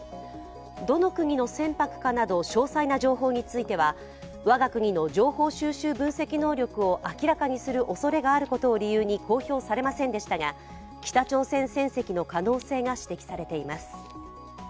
どの国の船舶かなど詳細な情報については我が国の情報収集分析能力を明らかにするおそれがあることを理由に公表されませんでしたが、北朝鮮船籍の可能性が指摘されています。